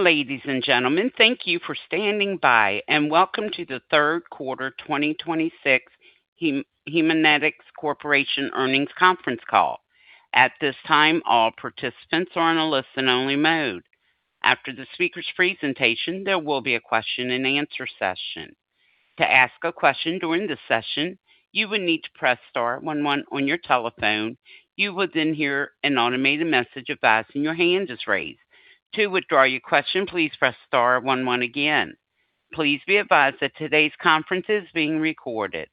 Ladies and gentlemen, thank you for standing by, and welcome to the third quarter 2026 Hem, Haemonetics Corporation Earnings Conference Call. At this time, all participants are on a listen-only mode. After the speaker's presentation, there will be a question-and-answer session. To ask a question during the session, you will need to press star one one on your telephone. You will then hear an automated message advising your hand is raised. To withdraw your question, please press star one one again. Please be advised that today's conference is being recorded.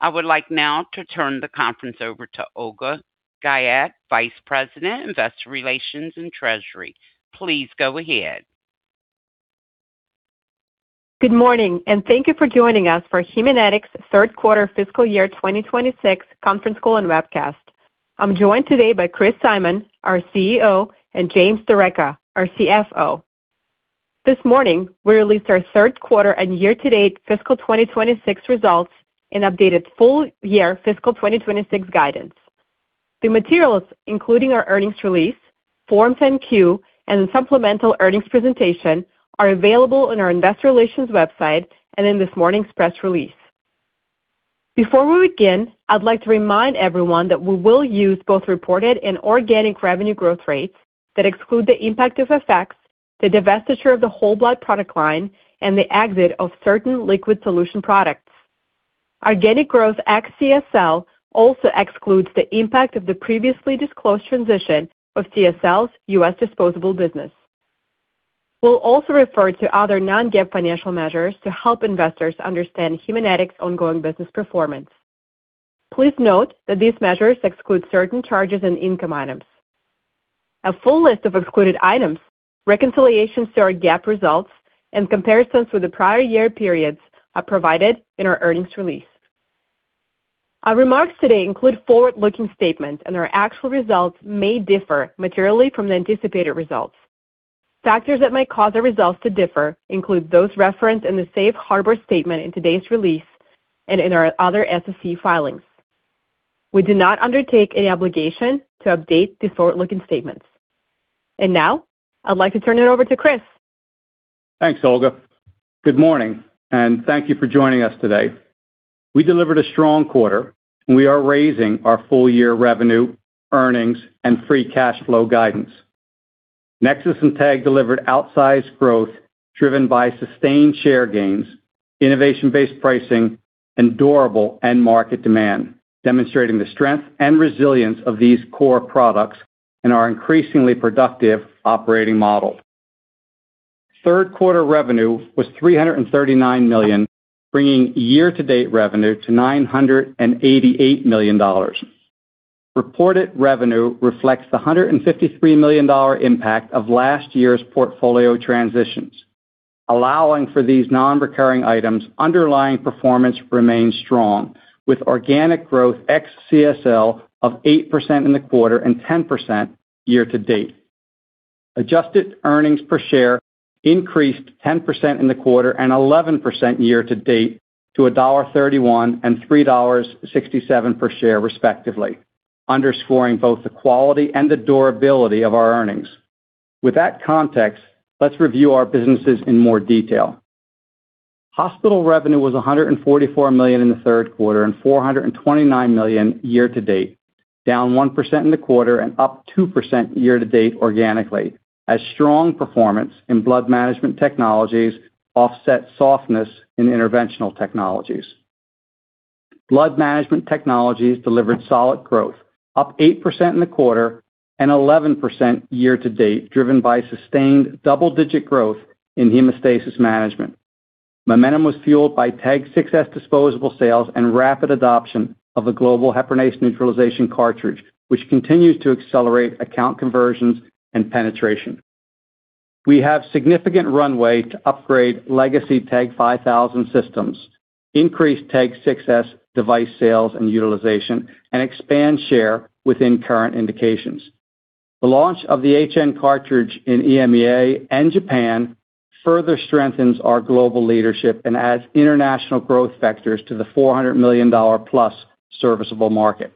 I would like now to turn the conference over to Olga Guyette, Vice President, Investor Relations and Treasury. Please go ahead. Good morning, and thank you for joining us for Haemonetics' third quarter fiscal year 2026 conference call and webcast. I'm joined today by Chris Simon, our CEO, and James D'Arecca, our CFO. This morning, we released our third quarter and year-to-date fiscal 2026 results and updated full year fiscal 2026 guidance. The materials, including our earnings release, Form 10-Q, and supplemental earnings presentation, are available on our investor relations website and in this morning's press release. Before we begin, I'd like to remind everyone that we will use both reported and organic revenue growth rates that exclude the impact of effects, the divestiture of the whole blood product line, and the exit of certain liquid solution products. Organic growth ex CSL also excludes the impact of the previously disclosed transition of CSL's US disposable business. We'll also refer to other non-GAAP financial measures to help investors understand Haemonetics' ongoing business performance. Please note that these measures exclude certain charges and income items. A full list of excluded items, reconciliations to our GAAP results, and comparisons with the prior year periods are provided in our earnings release. Our remarks today include forward-looking statements, and our actual results may differ materially from the anticipated results. Factors that might cause our results to differ include those referenced in the safe harbor statement in today's release and in our other SEC filings. We do not undertake any obligation to update these forward-looking statements. And now, I'd like to turn it over to Chris. Thanks, Olga. Good morning, and thank you for joining us today. We delivered a strong quarter, and we are raising our full-year revenue, earnings, and free cash flow guidance. NexSys and TEG delivered outsized growth, driven by sustained share gains, innovation-based pricing, and durable end market demand, demonstrating the strength and resilience of these core products and our increasingly productive operating model. Third quarter revenue was $339 million, bringing year-to-date revenue to $988 million. Reported revenue reflects the $153 million impact of last year's portfolio transitions. Allowing for these nonrecurring items, underlying performance remained strong, with organic growth ex CSL of 8% in the quarter and 10% year to date. Adjusted earnings per share increased 10% in the quarter and 11% year to date to $1.31 and $3.67 per share, respectively, underscoring both the quality and the durability of our earnings. With that context, let's review our businesses in more detail. Hospital revenue was $144 million in the third quarter and $429 million year to date, down 1% in the quarter and up 2% year to date organically, as strong performance in Blood Management Technologies offset softness in Interventional Technologies. Blood management technologies delivered solid growth, up 8% in the quarter and 11% year to date, driven by sustained double-digit growth in hemostasis management. Momentum was fueled by TEG 6s disposable sales and rapid adoption of the global heparinase neutralization cartridge, which continues to accelerate account conversions and penetration. We have significant runway to upgrade legacy TEG 5000 systems, increase TEG 6s device sales and utilization, and expand share within current indications. The launch of the HN cartridge in EMEA and Japan further strengthens our global leadership and adds international growth vectors to the $400 million-plus serviceable market.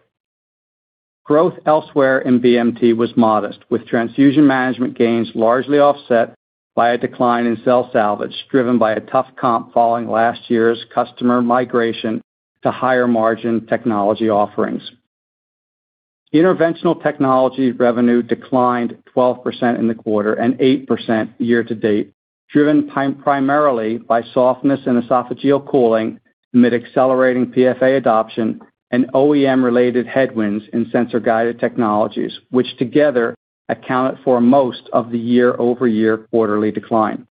Growth elsewhere in BMT was modest, with transfusion management gains largely offset by a decline in cell salvage, driven by a tough comp following last year's customer migration to higher-margin technology offerings. Interventional technology revenue declined 12% in the quarter and 8% year-to-date, driven primarily by softness in esophageal cooling amid accelerating PFA adoption and OEM-related headwinds in sensor-guided technologies, which together accounted for most of the year-over-year quarterly decline.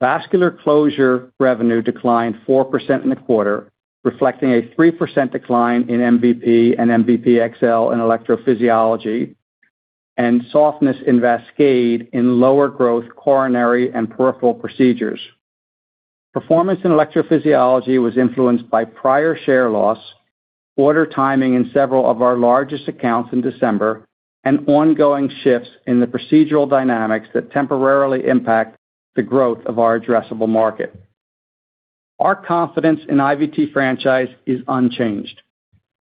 Vascular closure revenue declined 4% in the quarter, reflecting a 3% decline in MVP and MVP XL in electrophysiology and softness in VASCADE in lower-growth coronary and peripheral procedures. Performance in electrophysiology was influenced by prior share loss, order timing in several of our largest accounts in December, and ongoing shifts in the procedural dynamics that temporarily impact the growth of our addressable market.... Our confidence in IVT franchise is unchanged.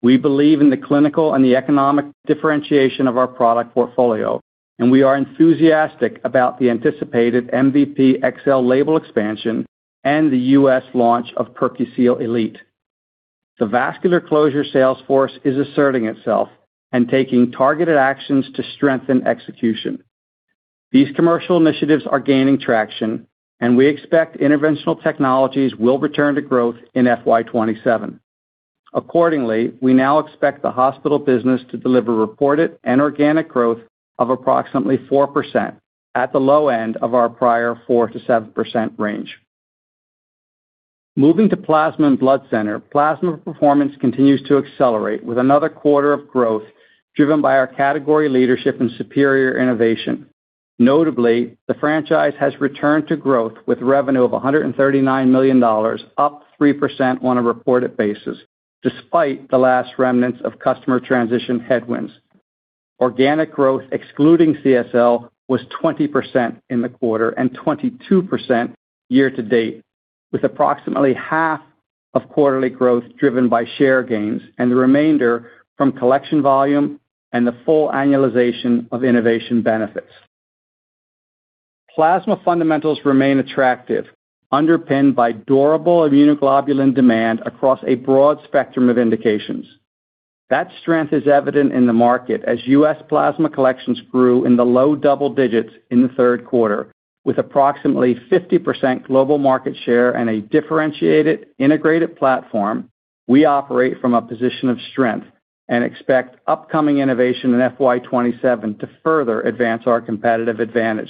We believe in the clinical and the economic differentiation of our product portfolio, and we are enthusiastic about the anticipated MVP XL label expansion and the US launch of PerQseal Elite. The vascular closure sales force is asserting itself and taking targeted actions to strengthen execution. These commercial initiatives are gaining traction, and we expect interventional technologies will return to growth in FY 2027. Accordingly, we now expect the hospital business to deliver reported and organic growth of approximately 4% at the low end of our prior 4%-7% range. Moving to Plasma and Blood Center, plasma performance continues to accelerate, with another quarter of growth driven by our category leadership and superior innovation. Notably, the franchise has returned to growth, with revenue of $139 million, up 3% on a reported basis, despite the last remnants of customer transition headwinds. Organic growth, excluding CSL, was 20% in the quarter and 22% year-to-date, with approximately half of quarterly growth driven by share gains and the remainder from collection volume and the full annualization of innovation benefits. Plasma fundamentals remain attractive, underpinned by durable immunoglobulin demand across a broad spectrum of indications. That strength is evident in the market as U.S. plasma collections grew in the low double digits in the third quarter, with approximately 50% global market share and a differentiated, integrated platform. We operate from a position of strength and expect upcoming innovation in FY 2027 to further advance our competitive advantage.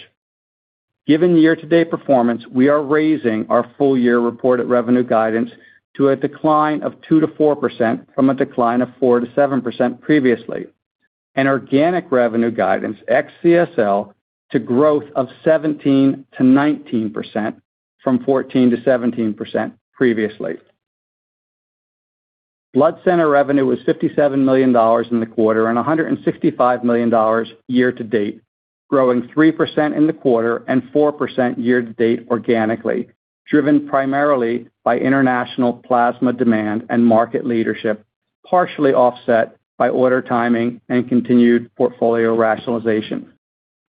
Given the year-to-date performance, we are raising our full-year reported revenue guidance to a decline of 2%-4%, from a decline of 4%-7% previously, and organic revenue guidance ex-CSL to growth of 17%-19%, from 14%-17% previously. Blood Center revenue was $57 million in the quarter and $165 million year-to-date, growing 3% in the quarter and 4% year-to-date organically, driven primarily by international plasma demand and market leadership, partially offset by order timing and continued portfolio rationalization.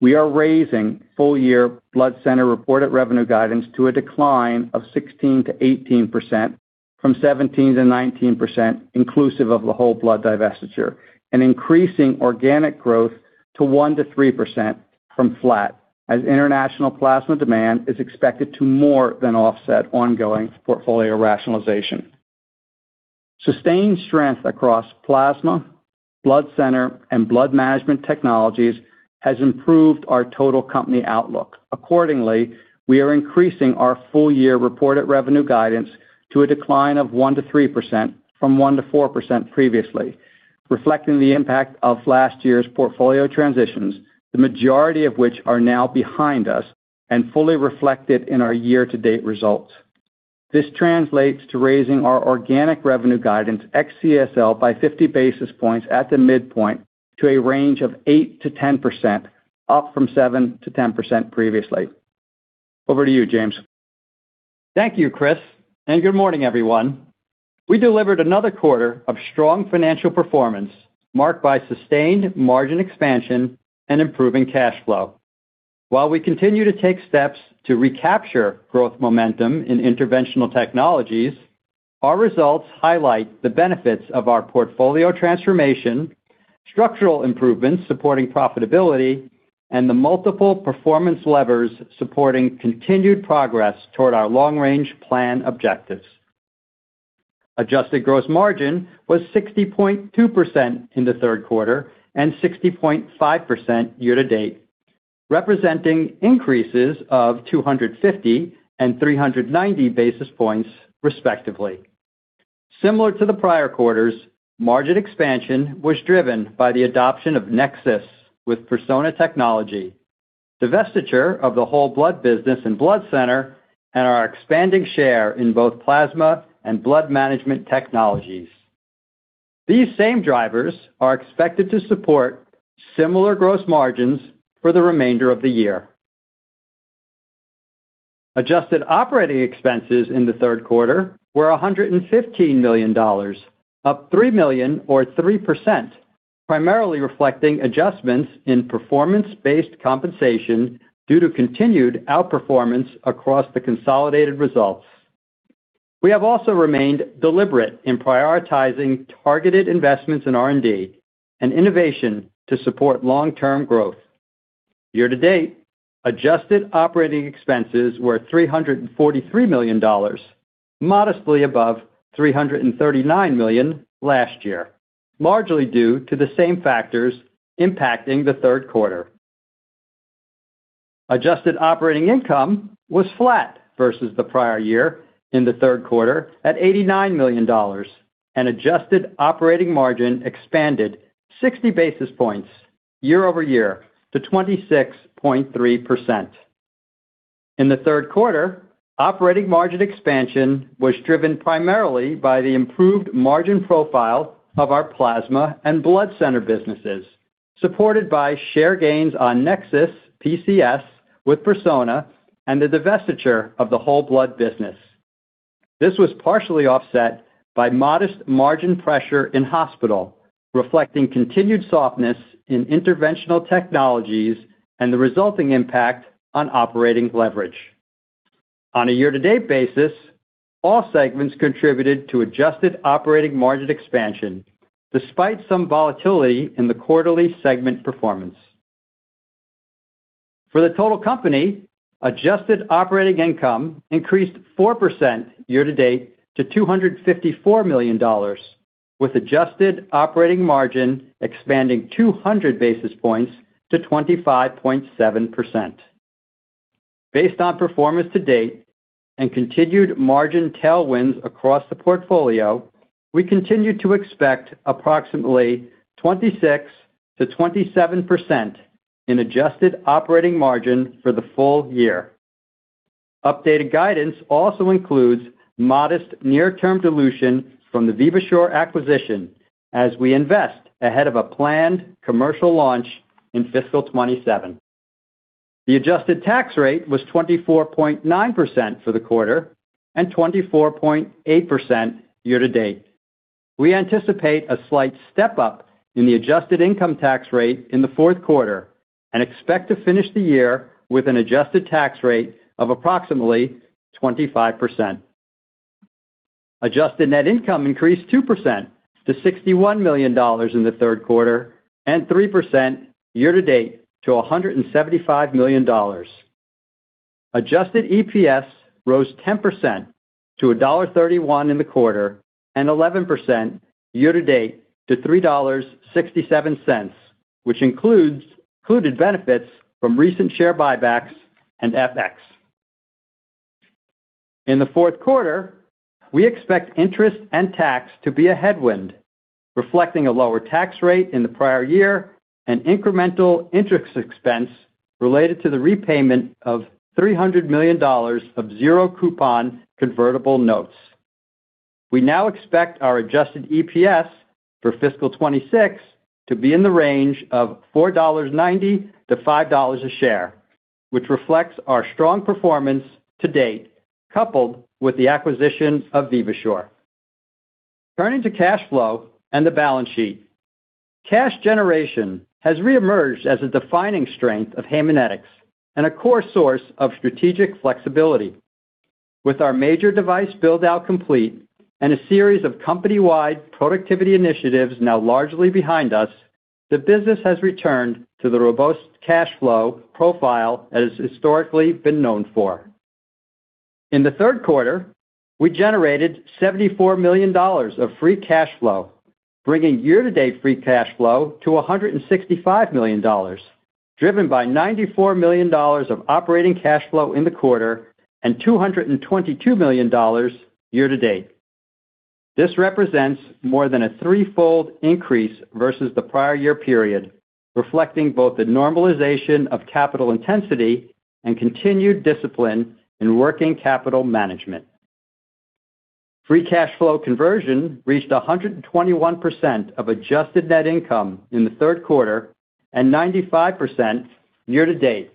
We are raising full-year Blood Center reported revenue guidance to a decline of 16%-18% from 17%-19%, inclusive of the whole blood divestiture, and increasing organic growth to 1%-3% from flat, as international plasma demand is expected to more than offset ongoing portfolio rationalization. Sustained strength across Plasma, Blood Center, and Blood Management Technologies has improved our total company outlook. Accordingly, we are increasing our full-year reported revenue guidance to a decline of 1%-3% from 1%-4% previously, reflecting the impact of last year's portfolio transitions, the majority of which are now behind us and fully reflected in our year-to-date results. This translates to raising our organic revenue guidance ex-CSL by 50 basis points at the midpoint to a range of 8%-10%, up from 7%-10% previously. Over to you, James. Thank you, Chris, and good morning, everyone. We delivered another quarter of strong financial performance, marked by sustained margin expansion and improving cash flow. While we continue to take steps to recapture growth momentum in interventional technologies, our results highlight the benefits of our portfolio transformation, structural improvements supporting profitability, and the multiple performance levers supporting continued progress toward our long-range plan objectives. Adjusted gross margin was 60.2% in the third quarter and 60.5% year-to-date, representing increases of 250 and 390 basis points, respectively. Similar to the prior quarters, margin expansion was driven by the adoption of NexSys with Persona technology, divestiture of the Whole Blood business and Blood Center, and our expanding share in both Plasma and Blood Management Technologies. These same drivers are expected to support similar gross margins for the remainder of the year. Adjusted operating expenses in the third quarter were $115 million, up $3 million or 3%, primarily reflecting adjustments in performance-based compensation due to continued outperformance across the consolidated results. We have also remained deliberate in prioritizing targeted investments in R&D and innovation to support long-term growth. Year-to-date, adjusted operating expenses were $343 million, modestly above $339 million last year, largely due to the same factors impacting the third quarter. Adjusted operating income was flat versus the prior year in the third quarter at $89 million, and adjusted operating margin expanded 60 basis points year-over-year to 26.3%. In the third quarter, operating margin expansion was driven primarily by the improved margin profile of our Plasma and Blood Center businesses.... supported by share gains on NexSys PCS with Persona and the divestiture of the whole blood business. This was partially offset by modest margin pressure in hospital, reflecting continued softness in interventional technologies and the resulting impact on operating leverage. On a year-to-date basis, all segments contributed to adjusted operating margin expansion, despite some volatility in the quarterly segment performance. For the total company, adjusted operating income increased 4% year-to-date to $254 million, with adjusted operating margin expanding 200 basis points to 25.7%. Based on performance to date and continued margin tailwinds across the portfolio, we continue to expect approximately 26%-27% in adjusted operating margin for the full year. Updated guidance also includes modest near-term dilution from the Vivasure acquisition, as we invest ahead of a planned commercial launch in fiscal 2027. The adjusted tax rate was 24.9% for the quarter and 24.8% year-to-date. We anticipate a slight step-up in the adjusted income tax rate in the fourth quarter and expect to finish the year with an adjusted tax rate of approximately 25%. Adjusted net income increased 2% to $61 million in the third quarter, and 3% year-to-date to $175 million. Adjusted EPS rose 10% to $1.31 in the quarter and 11% year-to-date to $3.67, which includes benefits from recent share buybacks and FX. In the fourth quarter, we expect interest and tax to be a headwind, reflecting a lower tax rate in the prior year and incremental interest expense related to the repayment of $300 million of zero coupon convertible notes. We now expect our adjusted EPS for fiscal 2026 to be in the range of $4.90-5 a share, which reflects our strong performance to date, coupled with the acquisition of Vivasure. Turning to cash flow and the balance sheet. Cash generation has reemerged as a defining strength of Haemonetics and a core source of strategic flexibility. With our major device build-out complete and a series of company-wide productivity initiatives now largely behind us, the business has returned to the robust cash flow profile that it's historically been known for. In the third quarter, we generated $74 million of free cash flow, bringing year-to-date free cash flow to $165 million, driven by $94 million of operating cash flow in the quarter and $222 million year-to-date. This represents more than a threefold increase versus the prior year period, reflecting both the normalization of capital intensity and continued discipline in working capital management. Free cash flow conversion reached 121% of adjusted net income in the third quarter, and 95% year-to-date,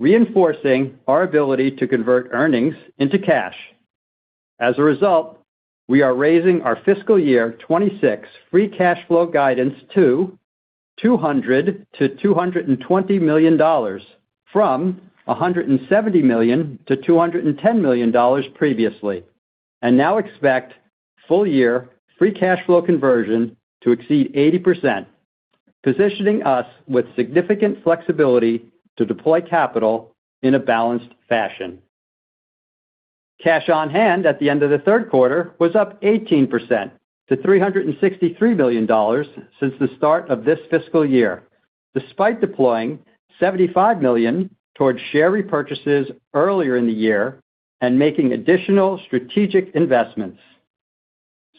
reinforcing our ability to convert earnings into cash. As a result, we are raising our fiscal year 2026 free cash flow guidance to $200-220 million, from $170-210 million previously, and now expect full-year free cash flow conversion to exceed 80%, positioning us with significant flexibility to deploy capital in a balanced fashion. Cash on hand at the end of the third quarter was up 18% to $363 million since the start of this fiscal year, despite deploying $75 million towards share repurchases earlier in the year and making additional strategic investments.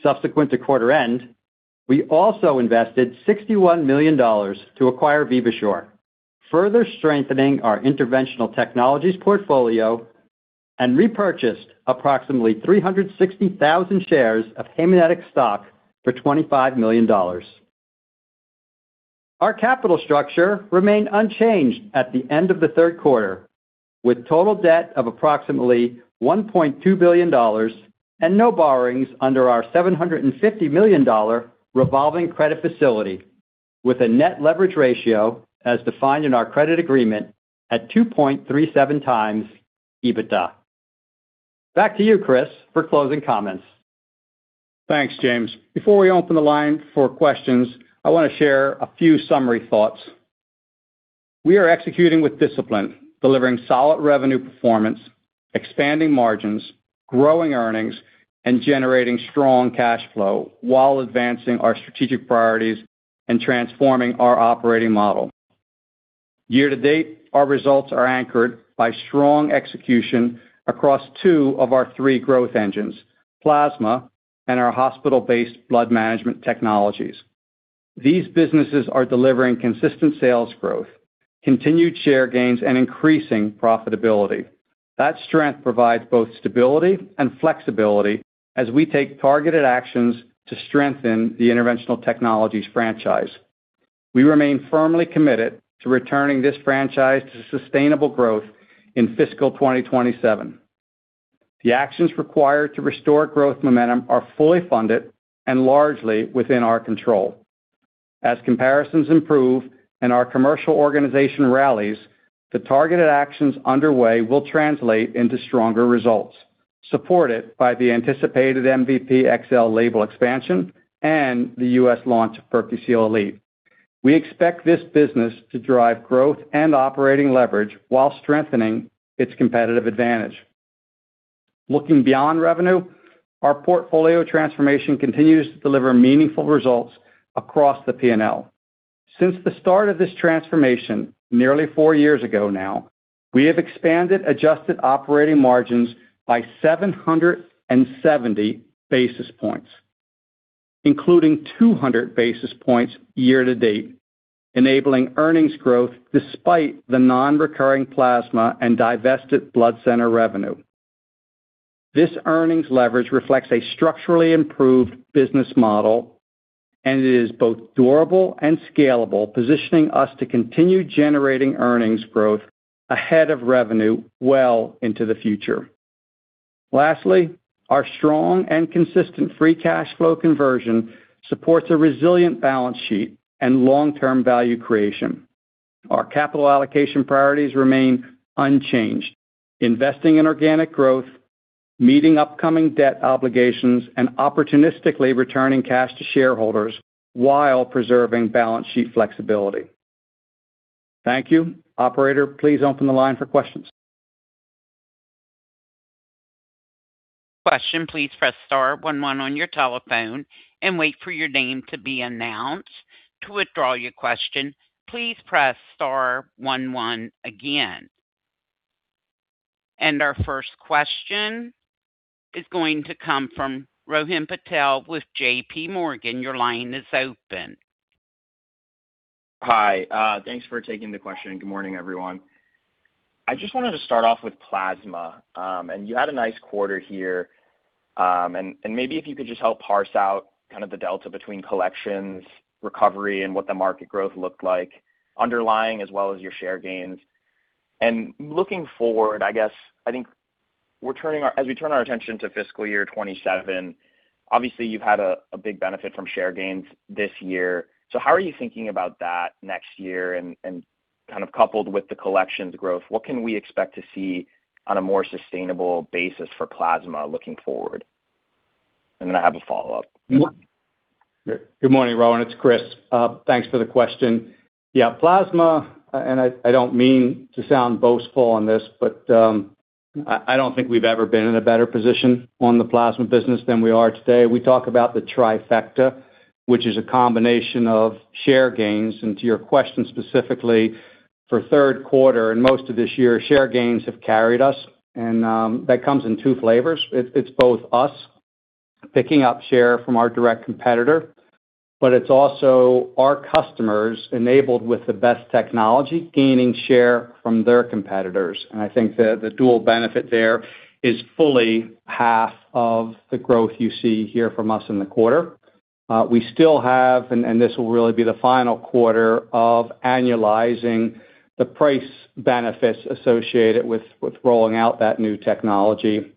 Subsequent to quarter end, we also invested $61 million to acquire Vivasure, further strengthening our interventional technologies portfolio, and repurchased approximately 360,000 shares of Haemonetics stock for $25 million. Our capital structure remained unchanged at the end of the third quarter, with total debt of approximately $1.2 billion and no borrowings under our $750 million revolving credit facility, with a net leverage ratio, as defined in our credit agreement, at 2.37x EBITDA. Back to you, Chris, for closing comments. Thanks, James. Before we open the line for questions, I want to share a few summary thoughts. We are executing with discipline, delivering solid revenue performance, expanding margins, growing earnings, and generating strong cash flow while advancing our strategic priorities and transforming our operating model. Year-to-date, our results are anchored by strong execution across two of our three growth engines, plasma and our hospital-based blood management technologies. These businesses are delivering consistent sales growth, continued share gains, and increasing profitability... That strength provides both stability and flexibility as we take targeted actions to strengthen the Interventional Technologies franchise. We remain firmly committed to returning this franchise to sustainable growth in fiscal 2027. The actions required to restore growth momentum are fully funded and largely within our control. As comparisons improve and our commercial organization rallies, the targeted actions underway will translate into stronger results, supported by the anticipated MVP XL label expansion and the US launch of PerQseal Elite. We expect this business to drive growth and operating leverage while strengthening its competitive advantage. Looking beyond revenue, our portfolio transformation continues to deliver meaningful results across the P&L. Since the start of this transformation, nearly four years ago now, we have expanded adjusted operating margins by 770 basis points, including 200 basis points year to date, enabling earnings growth despite the nonrecurring plasma and divested blood center revenue. This earnings leverage reflects a structurally improved business model, and it is both durable and scalable, positioning us to continue generating earnings growth ahead of revenue well into the future. Lastly, our strong and consistent free cash flow conversion supports a resilient balance sheet and long-term value creation. Our capital allocation priorities remain unchanged, investing in organic growth, meeting upcoming debt obligations, and opportunistically returning cash to shareholders while preserving balance sheet flexibility. Thank you. Operator, please open the line for questions. Questions, please press star one one on your telephone and wait for your name to be announced. To withdraw your question, please press star one one again. Our first question is going to come from Rohin Patel with JPMorgan. Your line is open. Hi, thanks for taking the question, and good morning, everyone. I just wanted to start off with plasma, and you had a nice quarter here. And maybe if you could just help parse out kind of the delta between collections, recovery, and what the market growth looked like, underlying as well as your share gains. And looking forward, I guess, I think we're as we turn our attention to fiscal year 2027, obviously, you've had a big benefit from share gains this year. So how are you thinking about that next year? And kind of coupled with the collections growth, what can we expect to see on a more sustainable basis for plasma looking forward? And then I have a follow-up. Good morning, Rohin. It's Chris. Thanks for the question. Yeah, plasma, and I, I don't mean to sound boastful on this, but, I, I don't think we've ever been in a better position on the plasma business than we are today. We talk about the trifecta, which is a combination of share gains, and to your question, specifically for third quarter and most of this year, share gains have carried us, and, that comes in two flavors. It's, it's both us picking up share from our direct competitor, but it's also our customers, enabled with the best technology, gaining share from their competitors. And I think the, the dual benefit there is fully half of the growth you see here from us in the quarter. We still have, and this will really be the final quarter of annualizing the price benefits associated with rolling out that new technology.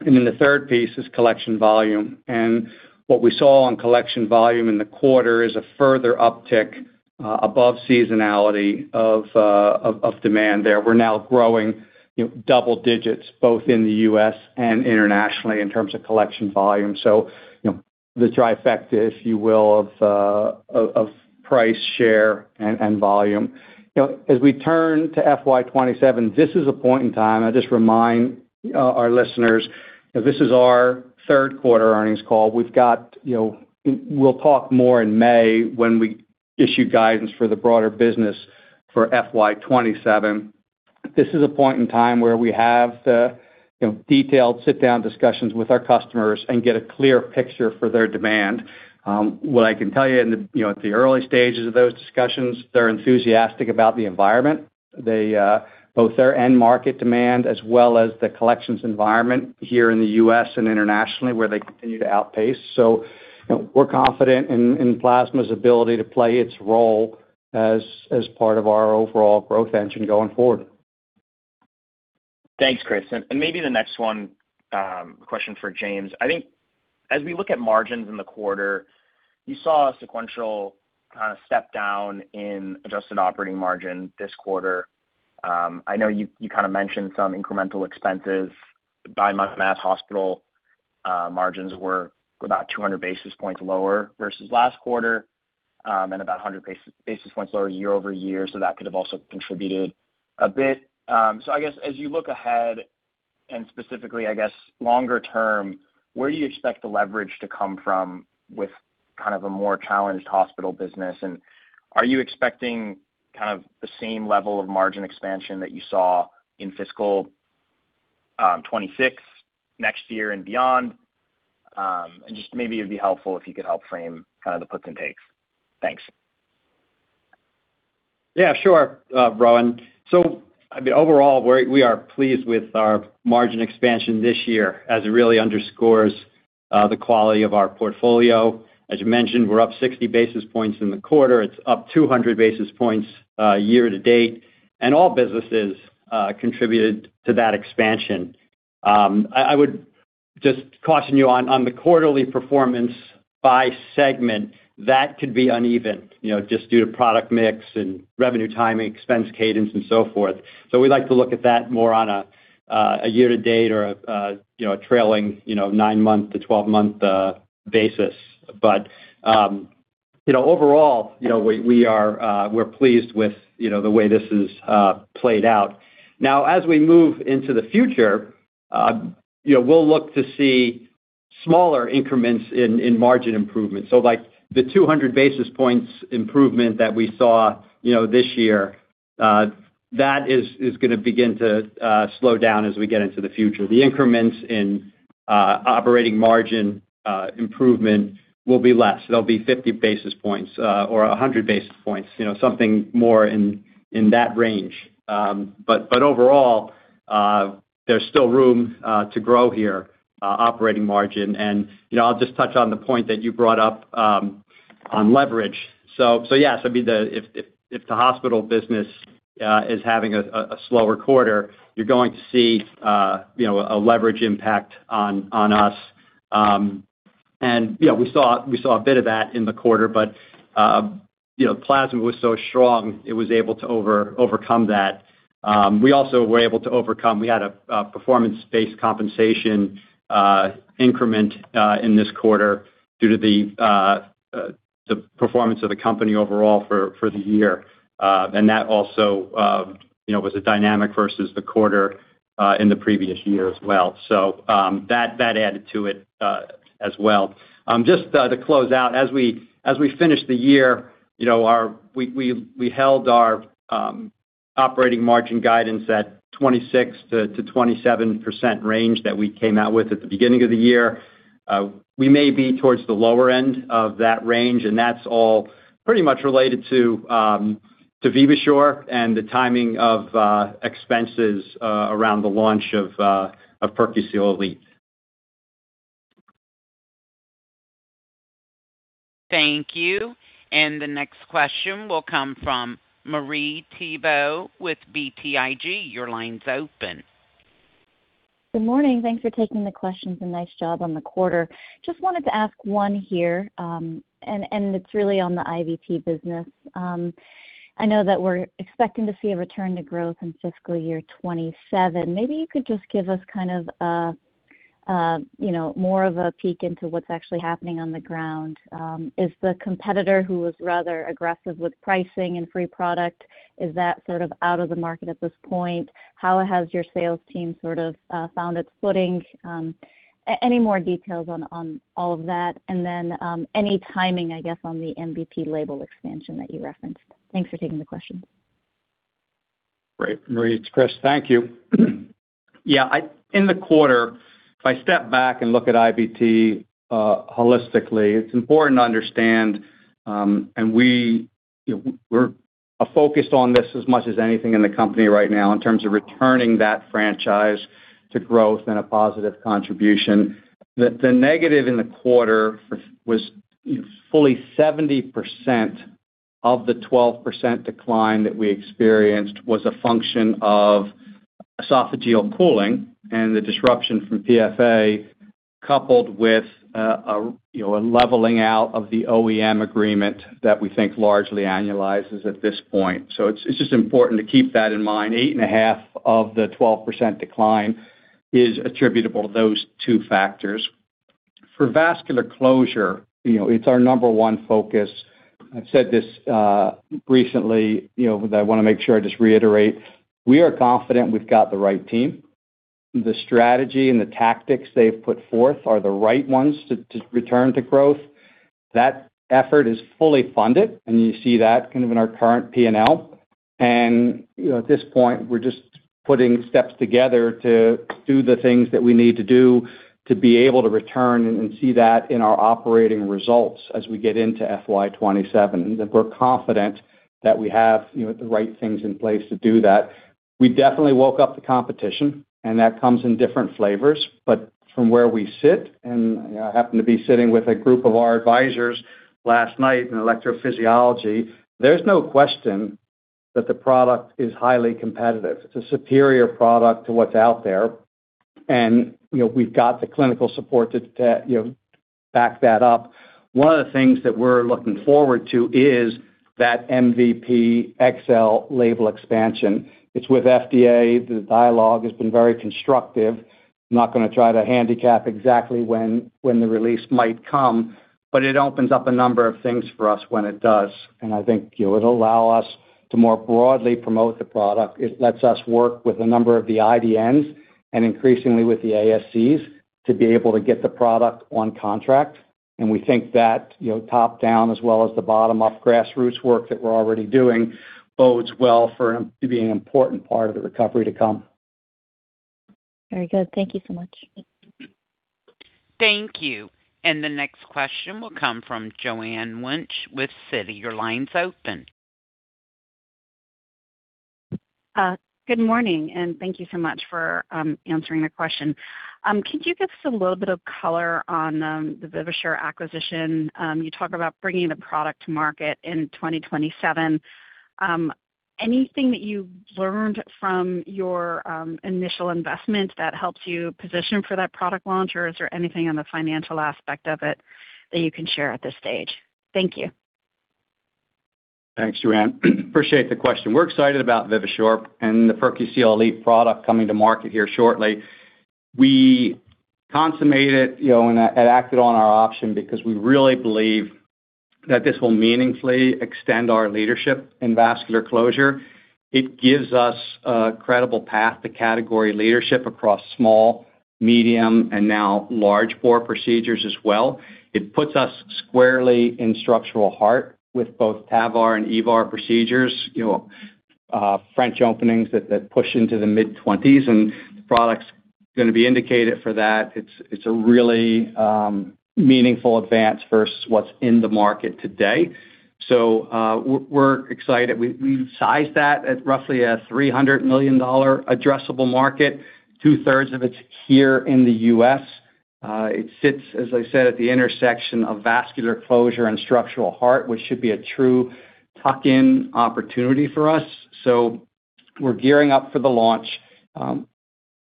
And then the third piece is collection volume, and what we saw on collection volume in the quarter is a further uptick above seasonality of demand there. We're now growing, you know, double digits both in the US and internationally in terms of collection volume. So, you know, the trifecta, if you will, of price, share, and volume. You know, as we turn to FY 2027, this is a point in time. I just remind our listeners, this is our third quarter earnings call. We've got, you know, we'll talk more in May when we issue guidance for the broader business for FY 2027. This is a point in time where we have the, you know, detailed sit-down discussions with our customers and get a clear picture for their demand. What I can tell you in the, you know, at the early stages of those discussions, they're enthusiastic about the environment. They both their end market demand, as well as the collections environment here in the US and internationally, where they continue to outpace. So, you know, we're confident in plasma's ability to play its role as part of our overall growth engine going forward. Thanks, Chris. And maybe the next one, question for James. I think as we look at margins in the quarter, you saw a sequential kind of step down in adjusted operating margin this quarter. I know you kind of mentioned some incremental expenses by Mass Hospital. Margins were about 200 basis points lower versus last quarter, and about 100 basis points lower year-over-year, so that could have also contributed a bit. So I guess, as you look ahead, and specifically, I guess, longer term, where do you expect the leverage to come from with kind of a more challenged hospital business? And are you expecting kind of the same level of margin expansion that you saw in fiscal 2026 next year and beyond? Just maybe it'd be helpful if you could help frame kind of the puts and takes. Thanks.... Yeah, sure, Rohin. So, I mean, overall, we are pleased with our margin expansion this year, as it really underscores the quality of our portfolio. As you mentioned, we're up 60 basis points in the quarter. It's up 200 basis points year-to-date, and all businesses contributed to that expansion. I would just caution you on the quarterly performance by segment, that could be uneven, you know, just due to product mix and revenue timing, expense cadence, and so forth. So we like to look at that more on a year-to-date or a trailing nine-month to twelve-month basis. But, you know, overall, you know, we are pleased with the way this is played out. Now, as we move into the future, you know, we'll look to see smaller increments in margin improvements. So, like, the 200 basis points improvement that we saw, you know, this year, that is gonna begin to slow down as we get into the future. The increments in operating margin improvement will be less. They'll be 50 basis points or 100 basis points, you know, something more in that range. But overall, there's still room to grow here, operating margin. And, you know, I'll just touch on the point that you brought up on leverage. So yes, I mean, the... If the hospital business is having a slower quarter, you're going to see, you know, a leverage impact on us. And, you know, we saw a bit of that in the quarter, but, you know, plasma was so strong, it was able to overcome that. We also were able to overcome. We had a performance-based compensation increment in this quarter due to the performance of the company overall for the year. And that also, you know, was a dynamic versus the quarter in the previous year as well. So, that added to it as well. Just to close out, as we finish the year, you know, we held our operating margin guidance at 26%-27% range that we came out with at the beginning of the year. We may be towards the lower end of that range, and that's all pretty much related to Vivasure and the timing of expenses around the launch of PerQseal Elite. Thank you. And the next question will come from Marie Thibault with BTIG. Your line's open. Good morning. Thanks for taking the questions, and nice job on the quarter. Just wanted to ask one here, and it's really on the IVT business. I know that we're expecting to see a return to growth in fiscal year 2027. Maybe you could just give us kind of a you know, more of a peek into what's actually happening on the ground. Is the competitor who was rather aggressive with pricing and free product sort of out of the market at this point? How has your sales team sort of found its footing? Any more details on all of that, and then any timing, I guess, on the MVP label expansion that you referenced? Thanks for taking the question. Great, Marie, it's Chris. Thank you. Yeah, in the quarter, if I step back and look at IVT, holistically, it's important to understand. And we, you know, we're focused on this as much as anything in the company right now, in terms of returning that franchise to growth and a positive contribution, that the negative in the quarter was fully 70% of the 12% decline that we experienced, was a function of esophageal cooling and the disruption from PFA, coupled with, you know, a leveling out of the OEM agreement that we think largely annualizes at this point. So it's just important to keep that in mind. 8.5 of the 12% decline is attributable to those two factors. For vascular closure, you know, it's our number one focus. I've said this recently, you know, but I wanna make sure I just reiterate, we are confident we've got the right team. The strategy and the tactics they've put forth are the right ones to return to growth. That effort is fully funded, and you see that kind of in our current P&L. And, you know, at this point, we're just putting steps together to do the things that we need to do to be able to return and see that in our operating results as we get into FY 2027. And that we're confident that we have, you know, the right things in place to do that. We definitely woke up the competition, and that comes in different flavors. But from where we sit, and, you know, I happened to be sitting with a group of our advisors last night in electrophysiology, there's no question that the product is highly competitive. It's a superior product to what's out there. And, you know, we've got the clinical support to, you know, back that up. One of the things that we're looking forward to is that MVP XL label expansion. It's with FDA. The dialogue has been very constructive. I'm not gonna try to handicap exactly when the release might come, but it opens up a number of things for us when it does. And I think, you know, it'll allow us to more broadly promote the product. It lets us work with a number of the IDNs, and increasingly with the ASCs, to be able to get the product on contract. We think that, you know, top-down, as well as the bottom-up grassroots work that we're already doing, bodes well for it, to be an important part of the recovery to come.... Very good. Thank you so much. Thank you. And the next question will come from Joanne Wuensch with Citi. Your line's open. Good morning, and thank you so much for answering the question. Could you give us a little bit of color on the Vivasure acquisition? You talk about bringing the product to market in 2027. Anything that you've learned from your initial investment that helps you position for that product launch? Or is there anything on the financial aspect of it that you can share at this stage? Thank you. Thanks, Joanne. Appreciate the question. We're excited about Vivasure and the PerQseal Elite product coming to market here shortly. We consummated, you know, and acted on our option because we really believe that this will meaningfully extend our leadership in vascular closure. It gives us a credible path to category leadership across small, medium, and now large bore procedures as well. It puts us squarely in structural heart with both TAVR and EVAR procedures, you know, French openings that push into the mid-twenties, and the product's gonna be indicated for that. It's a really meaningful advance versus what's in the market today. So, we're excited. We've sized that at roughly a $300 million addressable market. 2/3 of it's here in the US It sits, as I said, at the intersection of vascular closure and structural heart, which should be a true tuck-in opportunity for us, so we're gearing up for the launch.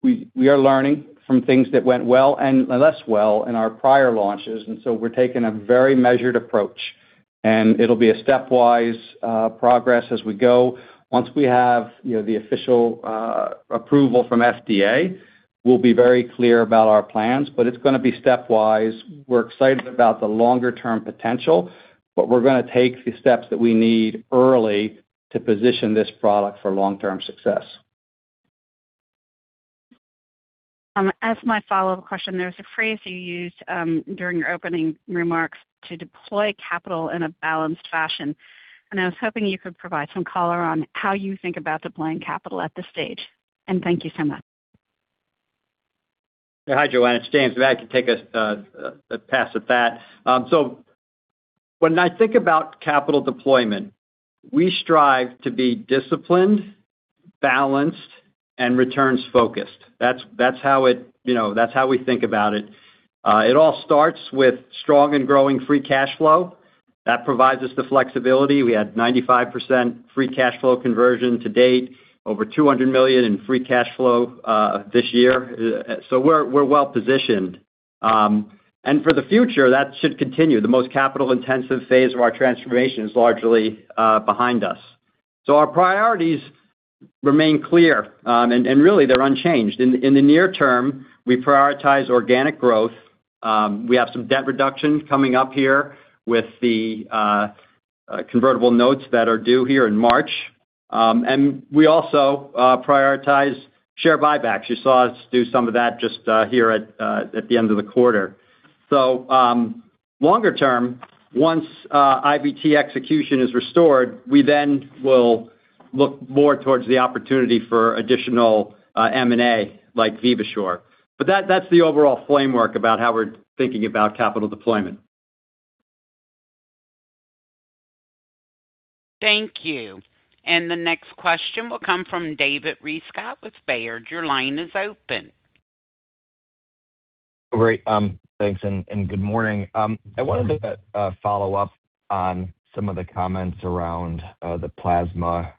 We are learning from things that went well and less well in our prior launches, and so we're taking a very measured approach, and it'll be a stepwise progress as we go. Once we have, you know, the official approval from FDA, we'll be very clear about our plans, but it's gonna be stepwise. We're excited about the longer-term potential, but we're gonna take the steps that we need early to position this product for long-term success. As my follow-up question, there was a phrase you used during your opening remarks, "To deploy capital in a balanced fashion," and I was hoping you could provide some color on how you think about deploying capital at this stage. Thank you so much. Hi, Joanne, it's James. I'm glad I could take a pass at that. So when I think about capital deployment, we strive to be disciplined, balanced, and returns focused. That's how it... You know, that's how we think about it. It all starts with strong and growing free cash flow. That provides us the flexibility. We had 95% free cash flow conversion to date, over $200 million in free cash flow this year. So we're well positioned. And for the future, that should continue. The most capital-intensive phase of our transformation is largely behind us. So our priorities remain clear, and really, they're unchanged. In the near term, we prioritize organic growth. We have some debt reduction coming up here with the convertible notes that are due here in March. We also prioritize share buybacks. You saw us do some of that just here at the end of the quarter. Longer term, once IBT execution is restored, we then will look more towards the opportunity for additional M&A, like Vivasure. But that, that's the overall framework about how we're thinking about capital deployment. Thank you. The next question will come from David Rescott with Baird. Your line is open. Great. Thanks, and good morning. I wanted to follow up on some of the comments around the plasma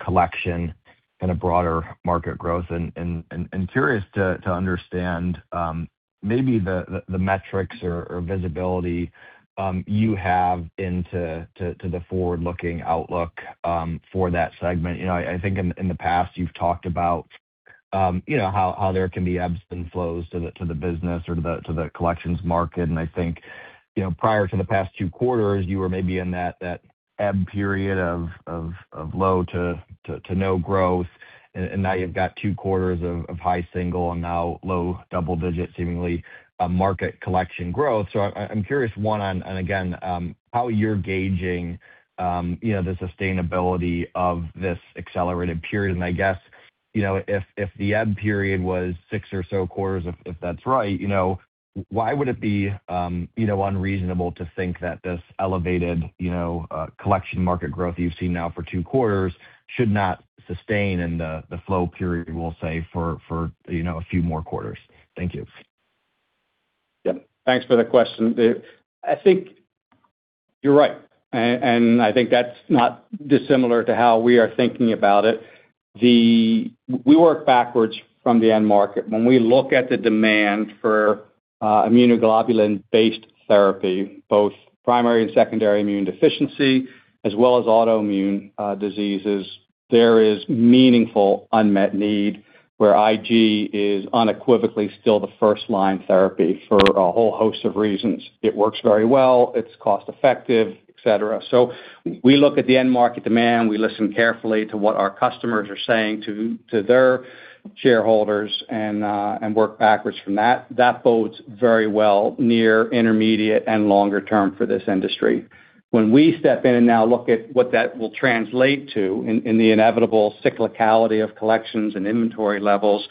collection and a broader market growth, and curious to understand maybe the metrics or visibility you have into the forward-looking outlook for that segment. You know, I think in the past, you've talked about, you know, how there can be ebbs and flows to the business or to the collections market. And I think, you know, prior to the past two quarters, you were maybe in that ebb period of low to no growth. And now you've got two quarters of high single and now low double digits, seemingly, market collection growth. So, I'm curious, one, on, and again, how you're gauging, you know, the sustainability of this accelerated period. And I guess, you know, if, if the ebb period was six or so quarters, if, if that's right, you know, why would it be, you know, unreasonable to think that this elevated, you know, collection market growth you've seen now for two quarters should not sustain in the, the flow period, we'll say, for, for, you know, a few more quarters? Thank you. Yeah. Thanks for the question. I think you're right, and I think that's not dissimilar to how we are thinking about it. We work backwards from the end market. When we look at the demand for, immunoglobulin-based therapy, both primary and secondary immune deficiency as well as autoimmune, diseases, there is meaningful unmet need, where IG is unequivocally still the first line therapy for a whole host of reasons. It works very well, it's cost effective, et cetera. So we look at the end market demand, we listen carefully to what our customers are saying to, to their shareholders and, and work backwards from that. That bodes very well near, intermediate, and longer term for this industry. When we step in and now look at what that will translate to in, in the inevitable cyclicality of collections and inventory levels...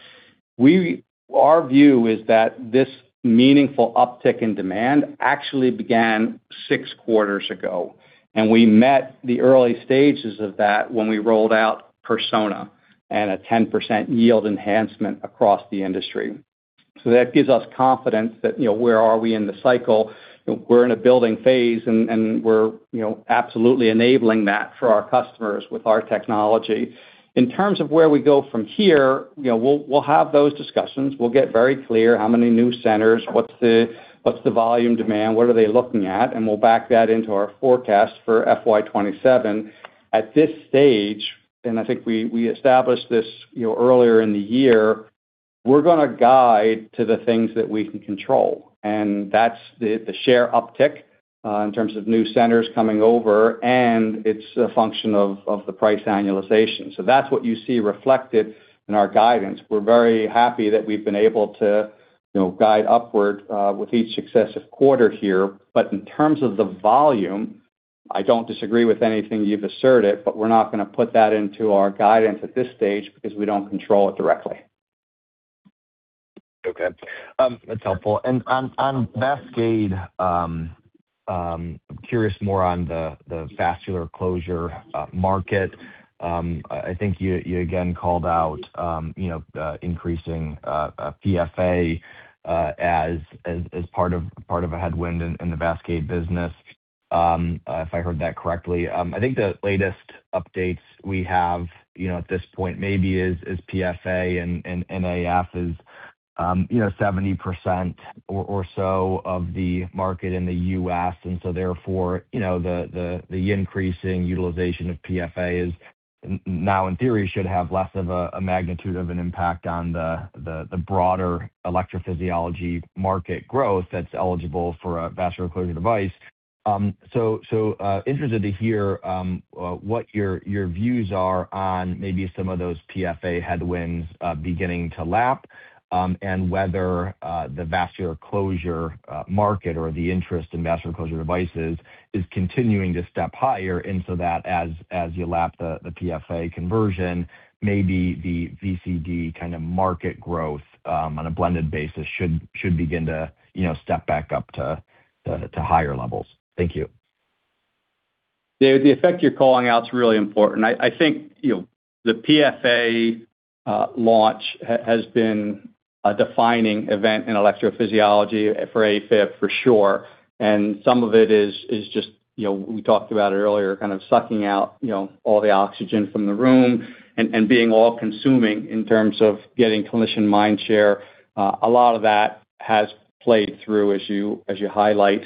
Our view is that this meaningful uptick in demand actually began six quarters ago, and we met the early stages of that when we rolled out Persona and a 10% yield enhancement across the industry. So that gives us confidence that, you know, where are we in the cycle? We're in a building phase, and we're, you know, absolutely enabling that for our customers with our technology. In terms of where we go from here, you know, we'll have those discussions. We'll get very clear how many new centers, what's the volume demand, what are they looking at, and we'll back that into our forecast for FY 2027. At this stage, and I think we, we established this, you know, earlier in the year, we're gonna guide to the things that we can control, and that's the, the share uptick, in terms of new centers coming over, and it's a function of, of the price annualization. So that's what you see reflected in our guidance. We're very happy that we've been able to, you know, guide upward, with each successive quarter here. But in terms of the volume, I don't disagree with anything you've asserted, but we're not gonna put that into our guidance at this stage because we don't control it directly. Okay. That's helpful. And on VASCADE, I'm curious more on the vascular closure market. I think you again called out, you know, increasing PFA as part of a headwind in the VASCADE business, if I heard that correctly. I think the latest updates we have, you know, at this point, maybe is PFA and NAF is, you know, 70% or so of the market in the US And so therefore, you know, the increasing utilization of PFA is now, in theory, should have less of a magnitude of an impact on the broader electrophysiology market growth that's eligible for a vascular closure device. So, interested to hear what your views are on maybe some of those PFA headwinds beginning to lap, and whether the vascular closure market or the interest in vascular closure devices is continuing to step higher. And so that as you lap the PFA conversion, maybe the VCD kind of market growth, on a blended basis, should begin to, you know, step back up to higher levels. Thank you. David, the effect you're calling out is really important. I think, you know, the PFA launch has been a defining event in electrophysiology for AFib, for sure. And some of it is just, you know, we talked about it earlier, kind of sucking out, you know, all the oxygen from the room and being all-consuming in terms of getting clinician mind share. A lot of that has played through, as you highlight.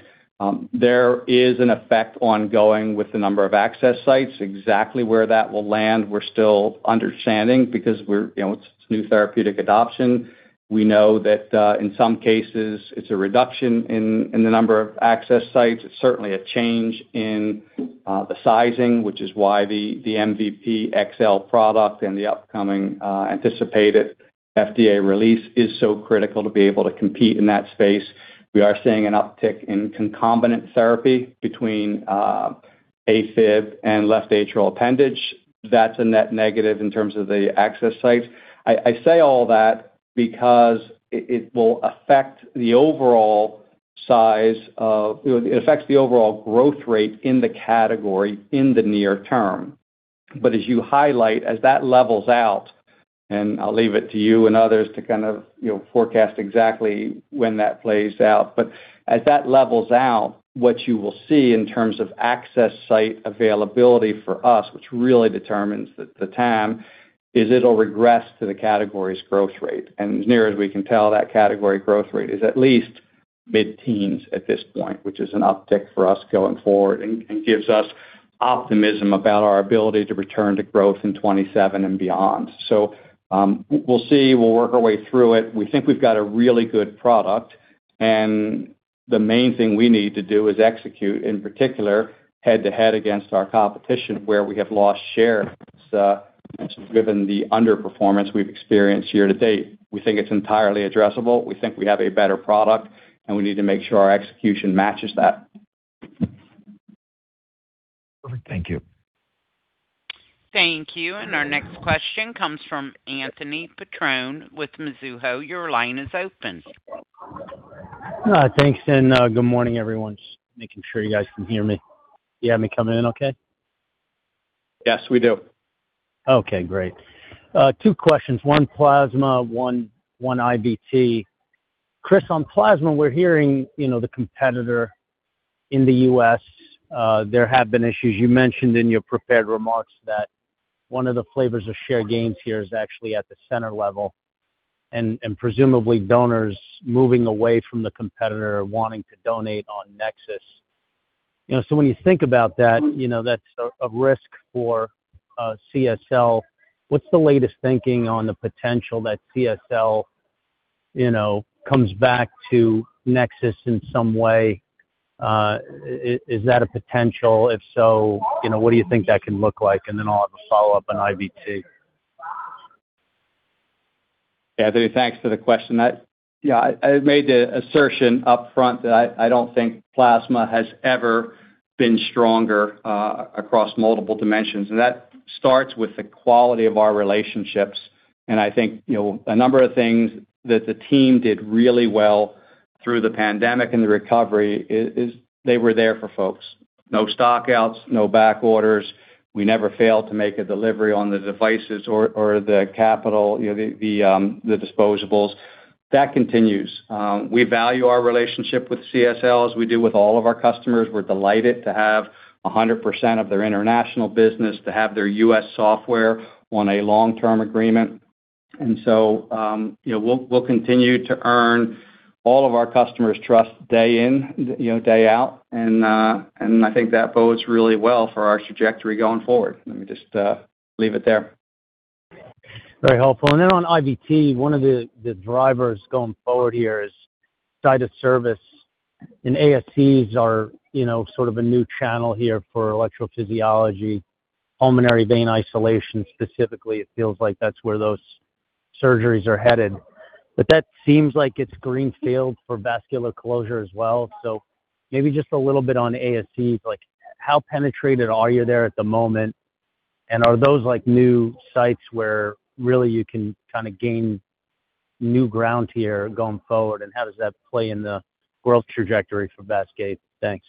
There is an effect ongoing with the number of access sites. Exactly where that will land, we're still understanding because we're, you know, it's new therapeutic adoption. We know that, in some cases, it's a reduction in the number of access sites. It's certainly a change in the sizing, which is why the MVP XL product and the upcoming anticipated FDA release is so critical to be able to compete in that space. We are seeing an uptick in concomitant therapy between AFib and left atrial appendage. That's a net negative in terms of the access sites. I say all that because it will affect the overall size of- it affects the overall growth rate in the category in the near term. But as you highlight, as that levels out, and I'll leave it to you and others to kind of, you know, forecast exactly when that plays out. But as that levels out, what you will see in terms of access site availability for us, which really determines the time, is it'll regress to the category's growth rate. As near as we can tell, that category growth rate is at least mid-teens at this point, which is an uptick for us going forward and gives us optimism about our ability to return to growth in 2027 and beyond. So, we'll see. We'll work our way through it. We think we've got a really good product, and the main thing we need to do is execute, in particular, head-to-head against our competition, where we have lost share, given the underperformance we've experienced year to date. We think it's entirely addressable. We think we have a better product, and we need to make sure our execution matches that. Perfect. Thank you. Thank you. Our next question comes from Anthony Petrone with Mizuho. Your line is open. Thanks, and, good morning, everyone. Just making sure you guys can hear me. You have me coming in okay? Yes, we do. Okay, great. Two questions, one plasma, one IVT. Chris, on plasma, we're hearing, you know, the competitor in the US, there have been issues. You mentioned in your prepared remarks that one of the flavors of share gains here is actually at the center level, and presumably donors moving away from the competitor wanting to donate on NexSys. You know, so when you think about that, you know, that's a risk for CSL. What's the latest thinking on the potential that CSL, you know, comes back to NexSys in some way? Is that a potential? If so, you know, what do you think that can look like? And then I'll have a follow-up on IVT. Anthony, thanks for the question. I made the assertion up front that I don't think plasma has ever been stronger across multiple dimensions, and that starts with the quality of our relationships. I think, you know, a number of things that the team did really well through the pandemic and the recovery is they were there for folks. No stockouts, no back orders. We never failed to make a delivery on the devices or the capital, you know, the disposables. That continues. We value our relationship with CSL, we do with all of our customers. We're delighted to have 100% of their international business, to have their US software on a long-term agreement. So, you know, we'll continue to earn all of our customers' trust day in, you know, day out, and I think that bodes really well for our trajectory going forward. Let me just leave it there. Very helpful. And then on IVT, one of the, the drivers going forward here is site of service, and ASCs are, you know, sort of a new channel here for electrophysiology, pulmonary vein isolation, specifically. It feels like that's where those surgeries are headed. But that seems like it's greenfield for vascular closure as well. So maybe just a little bit on ASC, like, how penetrated are you there at the moment? And are those, like, new sites where really you can kind of gain new ground here going forward? And how does that play in the growth trajectory for VASCADE? Thanks.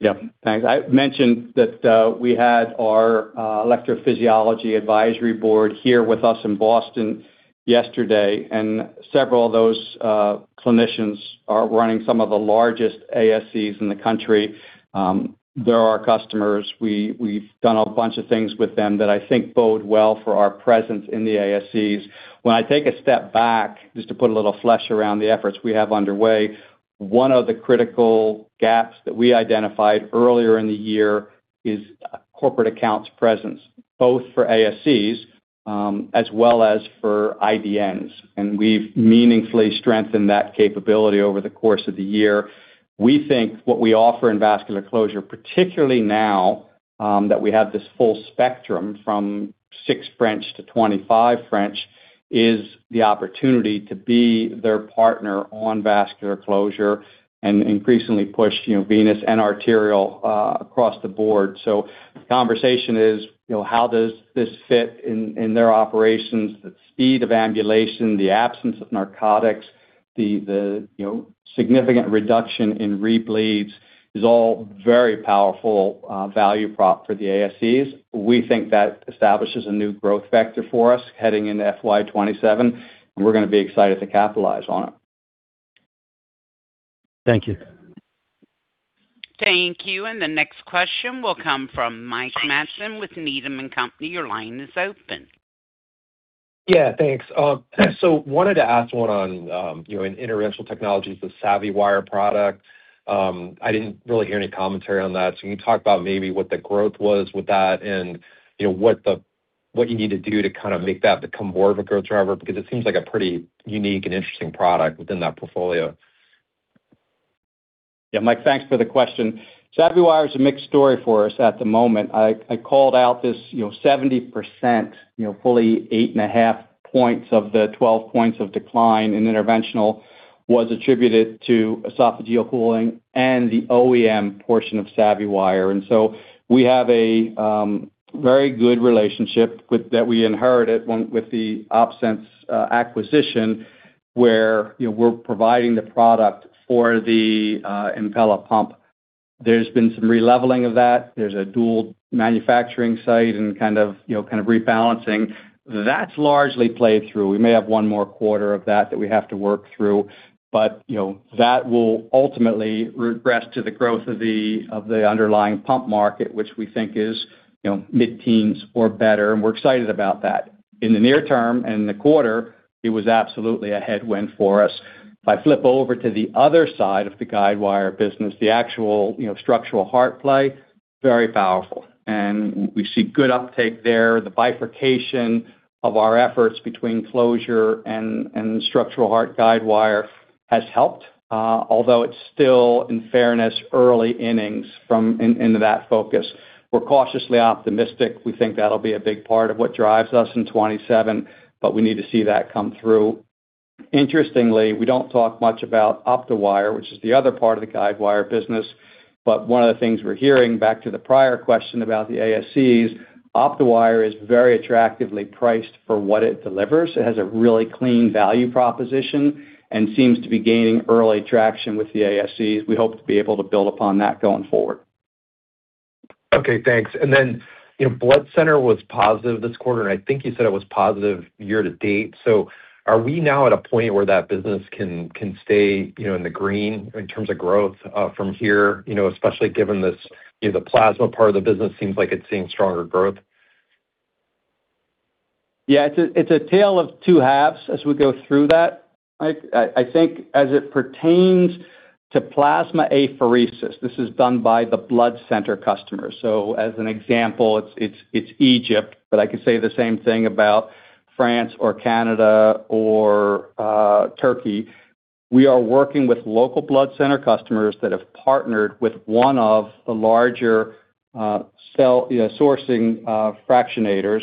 Yeah, thanks. I mentioned that we had our electrophysiology advisory board here with us in Boston yesterday, and several of those clinicians are running some of the largest ASCs in the country. They're our customers. We, we've done a bunch of things with them that I think bode well for our presence in the ASCs. When I take a step back, just to put a little flesh around the efforts we have underway, one of the critical gaps that we identified earlier in the year is corporate accounts presence, both for ASCs as well as for IDNs, and we've meaningfully strengthened that capability over the course of the year. We think what we offer in vascular closure, particularly now, that we have this full spectrum from six French to 25 French, is the opportunity to be their partner on vascular closure and increasingly push, you know, venous and arterial, across the board. So the conversation is, you know, how does this fit in, in their operations? The speed of ambulation, the absence of narcotics, the you know, significant reduction in rebleeds is all very powerful, value prop for the ASCs. We think that establishes a new growth vector for us heading into FY 2027, and we're going to be excited to capitalize on it. Thank you. Thank you. The next question will come from Mike Matson with Needham & Company. Your line is open. Yeah, thanks. So wanted to ask one on, you know, in interventional technologies, the SavvyWire product. I didn't really hear any commentary on that. So can you talk about maybe what the growth was with that and, you know, what you need to do to kind of make that become more of a growth driver? Because it seems like a pretty unique and interesting product within that portfolio. Yeah, Mike, thanks for the question. SavvyWire is a mixed story for us at the moment. I called out this, you know, 70%, you know, fully 8.5 points of the 12 points of decline in interventional was attributed to esophageal cooling and the OEM portion of SavvyWire. And so we have a very good relationship with that we inherited when with the OpSens acquisition, where, you know, we're providing the product for the Impella pump. There's been some releveling of that. There's a dual manufacturing site and kind of, you know, kind of rebalancing. That's largely played through. We may have one more quarter of that that we have to work through, but, you know, that will ultimately regress to the growth of the, of the underlying pump market, which we think is, you know, mid-teens or better, and we're excited about that. In the near term and the quarter, it was absolutely a headwind for us. If I flip over to the other side of the guidewire business, the actual, you know, structural heart play, very powerful, and we see good uptake there. The bifurcation of our efforts between closure and structural heart guidewire has helped, although it's still, in fairness, early innings into that focus. We're cautiously optimistic. We think that'll be a big part of what drives us in 2027, but we need to see that come through. Interestingly, we don't talk much about OptoWire, which is the other part of the guidewire business, but one of the things we're hearing, back to the prior question about the ASCs, OptoWire is very attractively priced for what it delivers. It has a really clean value proposition and seems to be gaining early traction with the ASCs. We hope to be able to build upon that going forward. Okay, thanks. And then, you know, blood center was positive this quarter, and I think you said it was positive year to date. So are we now at a point where that business can stay, you know, in the green in terms of growth from here? You know, especially given this, you know, the plasma part of the business seems like it's seeing stronger growth. Yeah, it's a tale of two halves as we go through that, Mike. I think as it pertains to plasmapheresis, this is done by the blood center customers. So as an example, it's Egypt, but I could say the same thing about France or Canada or Turkey. We are working with local blood center customers that have partnered with one of the larger CSL, you know, sourcing fractionators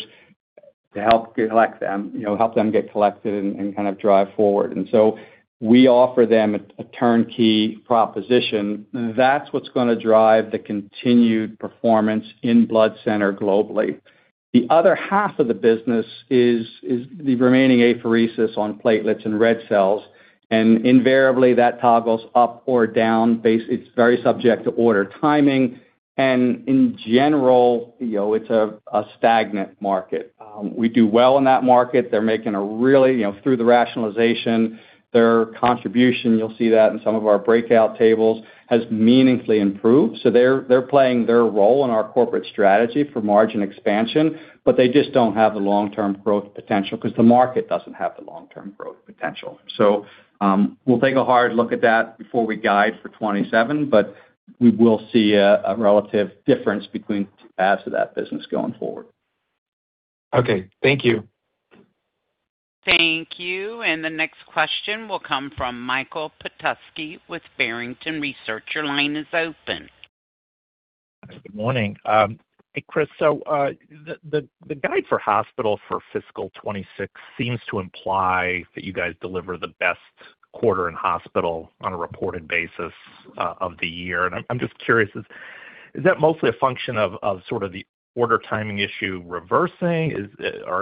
to help collect them, you know, help them get collected and kind of drive forward. And so we offer them a turnkey proposition. That's what's gonna drive the continued performance in blood center globally. The other half of the business is the remaining apheresis on platelets and red cells, and invariably, that toggles up or down. Based, it's very subject to order timing, and in general, you know, it's a stagnant market. We do well in that market. They're making a really, you know, through the rationalization, their contribution, you'll see that in some of our breakout tables, has meaningfully improved. So they're playing their role in our corporate strategy for margin expansion, but they just don't have the long-term growth potential, 'cause the market doesn't have the long-term growth potential. So, we'll take a hard look at that before we guide for 2027, but we will see a relative difference between two halves of that business going forward. Okay. Thank you. Thank you. And the next question will come from Michael Petusky with Barrington Research. Your line is open. Good morning. Hey, Chris, so the guide for hospital for fiscal 2026 seems to imply that you guys deliver the best quarter in hospital on a reported basis of the year. And I'm just curious, is that mostly a function of sort of the order timing issue reversing?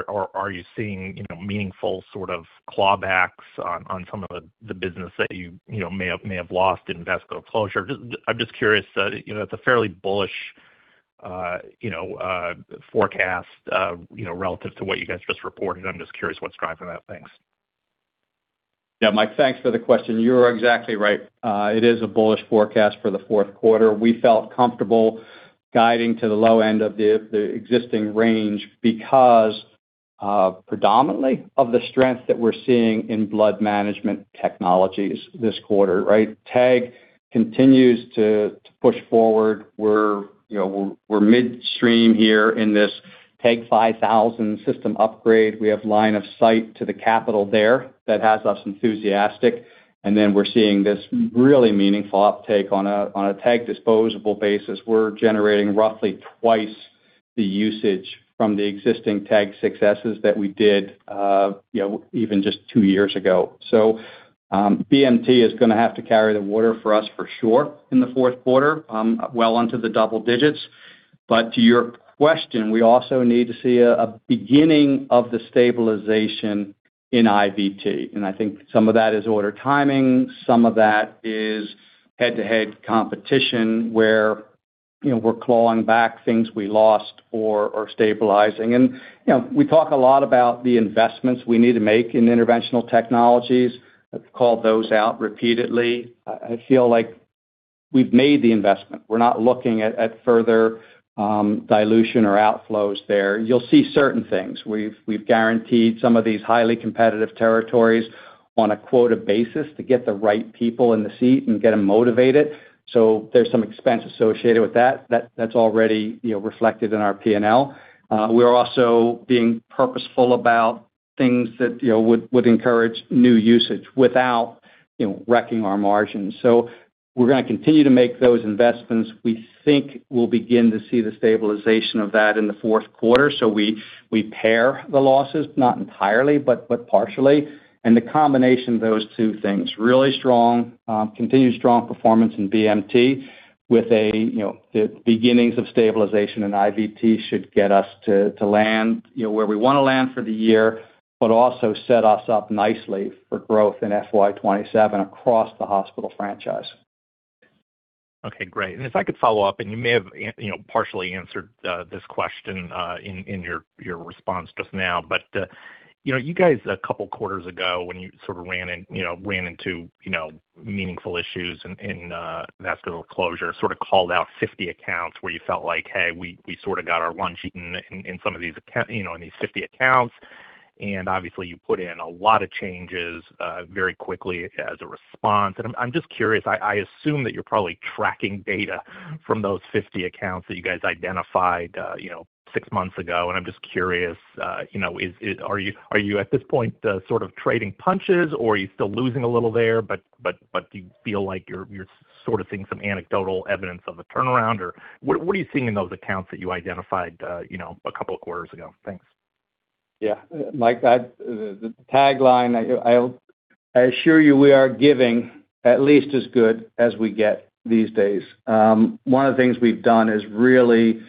Are you seeing, you know, meaningful sort of clawbacks on some of the business that you know may have lost in vascular closure? Just, I'm just curious, you know, it's a fairly bullish, you know, forecast, you know, relative to what you guys just reported. I'm just curious what's driving that. Thanks. Yeah, Mike, thanks for the question. You're exactly right. It is a bullish forecast for the fourth quarter. We felt comfortable guiding to the low end of the existing range because predominantly of the strength that we're seeing in blood management technologies this quarter, right? TEG continues to push forward. We're, you know, midstream here in this TEG 5000 system upgrade. We have line of sight to the capital there. That has us enthusiastic, and then we're seeing really meaningful uptake on a TEG disposable basis. We're generating roughly twice the usage from the existing TEG successes that we did even just 2 years ago. So, BMT is gonna have to carry the water for us for sure in the fourth quarter, well into the double digits. But to your question, we also need to see a beginning of the stabilization in IVT, and I think some of that is order timing, some of that is head-to-head competition, where, you know, we're clawing back things we lost or are stabilizing. And, you know, we talk a lot about the investments we need to make in interventional technologies. I've called those out repeatedly. I feel like we've made the investment. We're not looking at further dilution or outflows there. You'll see certain things. We've guaranteed some of these highly competitive territories on a quota basis to get the right people in the seat and get them motivated. So there's some expense associated with that, that's already, you know, reflected in our P&L. We're also being purposeful about things that, you know, would encourage new usage without, you know, wrecking our margins. So we're gonna continue to make those investments. We think we'll begin to see the stabilization of that in the fourth quarter. So we pare the losses, not entirely, but partially. And the combination of those two things, really strong, continued strong performance in BMT with a, you know, the beginnings of stabilization in IVT, should get us to land, you know, where we wanna land for the year, but also set us up nicely for growth in FY 2027 across the hospital franchise. Okay, great. And if I could follow up, and you may have you know, partially answered this question in your response just now. But you know, you guys, a couple of quarters ago, when you sort of ran into you know, meaningful issues in vascular closure, sort of called out 50 accounts where you felt like: Hey, we we sort of got our lunch eaten in some of these accounts. And obviously, you put in a lot of changes very quickly as a response. I'm just curious. I assume that you're probably tracking data from those 50 accounts that you guys identified, you know, six months ago, and I'm just curious, you know, is it—are you, at this point, sort of trading punches, or are you still losing a little there, but do you feel like you're sort of seeing some anecdotal evidence of a turnaround, or what are you seeing in those accounts that you identified, you know, a couple of quarters ago? Thanks. Yeah. Mike, the tagline, I assure you, we are giving at least as good as we get these days. One of the things we've done is really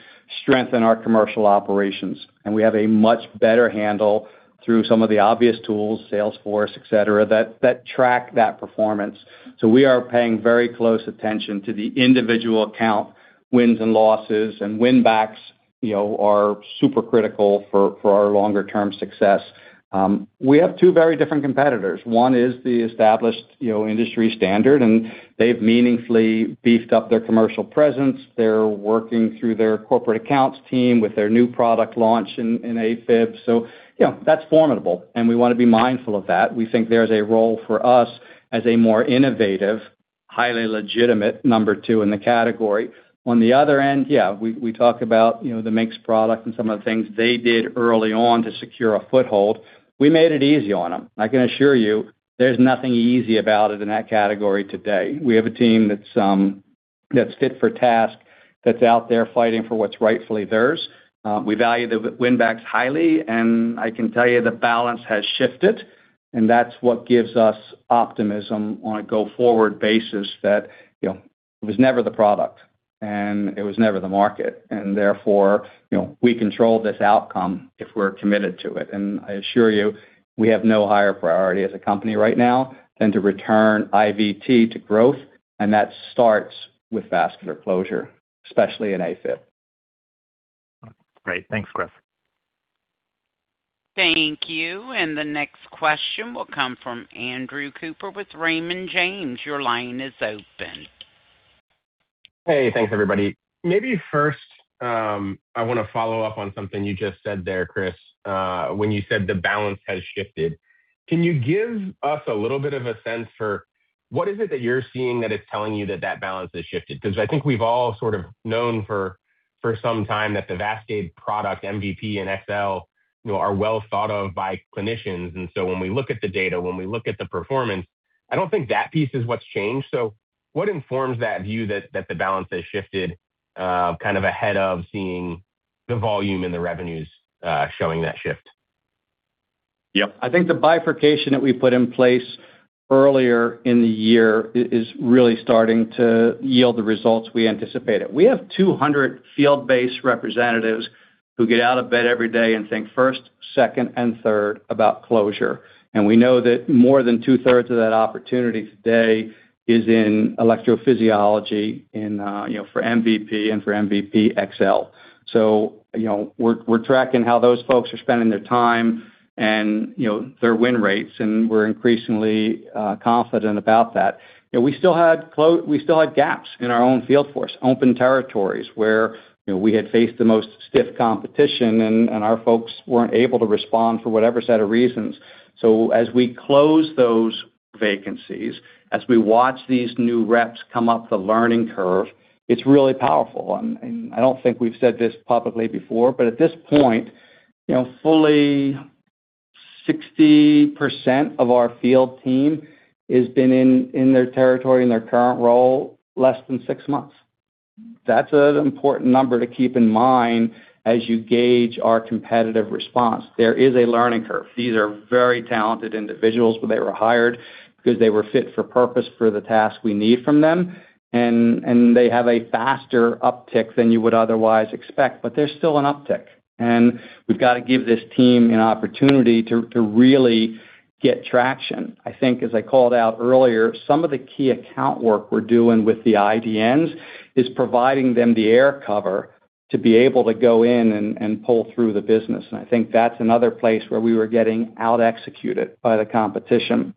strengthen our commercial operations, and we have a much better handle through some of the obvious tools, Salesforce, et cetera, that track that performance. So we are paying very close attention to the individual account, wins and losses, and win backs, you know, are super critical for our longer term success. We have two very different competitors. One is the established, you know, industry standard, and they've meaningfully beefed up their commercial presence. They're working through their corporate accounts team with their new product launch in AFib. So, you know, that's formidable, and we wanna be mindful of that. We think there's a role for us as a more innovative-... highly legitimate number two in the category. On the other end, yeah, we, we talk about, you know, the Mynx product and some of the things they did early on to secure a foothold. We made it easy on them. I can assure you, there's nothing easy about it in that category today. We have a team that's, that's fit for task, that's out there fighting for what's rightfully theirs. We value the win backs highly, and I can tell you the balance has shifted, and that's what gives us optimism on a go-forward basis, that, you know, it was never the product, and it was never the market, and therefore, you know, we control this outcome if we're committed to it. I assure you, we have no higher priority as a company right now than to return IVT to growth, and that starts with vascular closure, especially in Afib. Great. Thanks, Chris. Thank you. The next question will come from Andrew Cooper with Raymond James. Your line is open. Hey, thanks, everybody. Maybe first, I want to follow up on something you just said there, Chris, when you said the balance has shifted. Can you give us a little bit of a sense for what is it that you're seeing that is telling you that that balance has shifted? Because I think we've all sort of known for some time that the VASCADE product, MVP and XL, you know, are well thought of by clinicians, and so when we look at the data, when we look at the performance, I don't think that piece is what's changed. So what informs that view that the balance has shifted, kind of ahead of seeing the volume and the revenues showing that shift? Yep. I think the bifurcation that we put in place earlier in the year is really starting to yield the results we anticipated. We have 200 field-based representatives who get out of bed every day and think first, second, and third about closure, and we know that more than two-thirds of that opportunity today is in electrophysiology, in, you know, for MVP and for MVP XL. So you know, we're tracking how those folks are spending their time and, you know, their win rates, and we're increasingly confident about that. You know, we still had gaps in our own field force, open territories where, you know, we had faced the most stiff competition and our folks weren't able to respond for whatever set of reasons. So as we close those vacancies, as we watch these new reps come up the learning curve, it's really powerful. And I don't think we've said this publicly before, but at this point, you know, fully 60% of our field team has been in their territory, in their current role, less than six months. That's an important number to keep in mind as you gauge our competitive response. There is a learning curve. These are very talented individuals, but they were hired because they were fit for purpose for the task we need from them, and they have a faster uptick than you would otherwise expect. But there's still an uptick, and we've got to give this team an opportunity to really get traction. I think, as I called out earlier, some of the key account work we're doing with the IDNs is providing them the air cover to be able to go in and pull through the business, and I think that's another place where we were getting out-executed by the competition.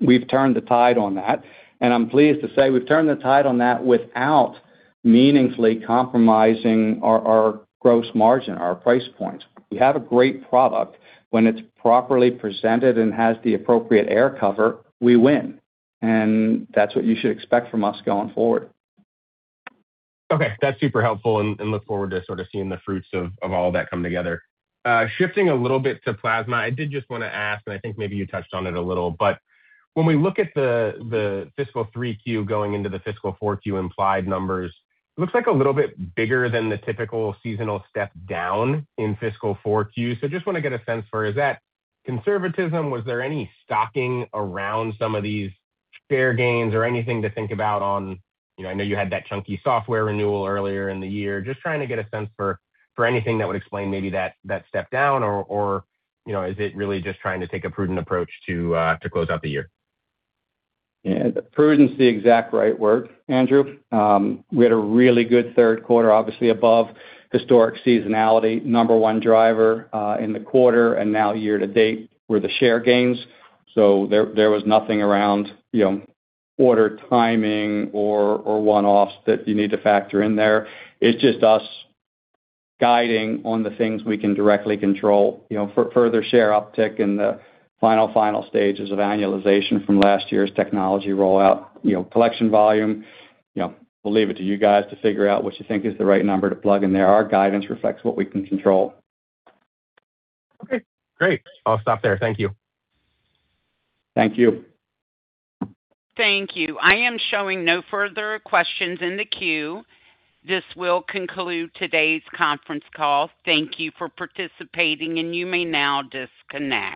We've turned the tide on that, and I'm pleased to say we've turned the tide on that without meaningfully compromising our gross margin, our price points. We have a great product. When it's properly presented and has the appropriate air cover, we win, and that's what you should expect from us going forward. Okay, that's super helpful and look forward to sort of seeing the fruits of all that come together. Shifting a little bit to plasma, I did just want to ask, and I think maybe you touched on it a little, but when we look at the fiscal 3Q going into the fiscal 4Q implied numbers, it looks like a little bit bigger than the typical seasonal step down in fiscal 4Q. So just want to get a sense for, is that conservatism? Was there any stocking around some of these fair gains or anything to think about on... You know, I know you had that chunky software renewal earlier in the year. Just trying to get a sense for anything that would explain maybe that step down, or, you know, is it really just trying to take a prudent approach to close out the year? Yeah, prudence is the exact right word, Andrew. We had a really good third quarter, obviously above historic seasonality. Number one driver in the quarter, and now year to date, were the share gains. So there, there was nothing around, you know, order timing or, or one-offs that you need to factor in there. It's just us guiding on the things we can directly control, you know, further share uptick in the final stages of annualization from last year's technology rollout, you know, collection volume. You know, we'll leave it to you guys to figure out what you think is the right number to plug in there. Our guidance reflects what we can control. Okay, great. I'll stop there. Thank you. Thank you. Thank you. I am showing no further questions in the queue. This will conclude today's conference call. Thank you for participating, and you may now disconnect.